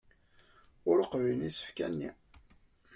Ur qbilen isefka-nni.